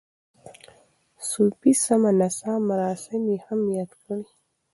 صوفي سما نڅا مراسم یې هم یاد کړي.